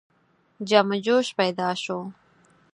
جم و جوش پیدا شو.